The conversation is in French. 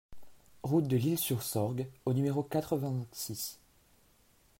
Route de l'Isle Sur Sorgue au numéro quatre-vingt-six